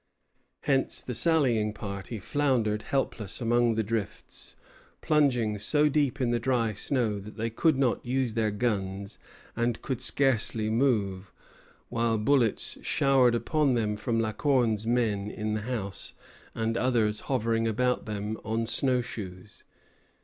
Hence the sallying party floundered helpless among the drifts, plunging so deep in the dry snow that they could not use their guns and could scarcely move, while bullets showered upon them from La Corne's men in the house and others hovering about them on snow shoes.